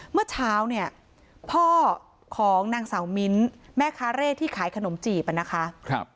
เมื่อเช้าเนี่ยพ่อของนางสาวมิ้นแม่ค้าเร่ที่ขายขนมจีบนะคะ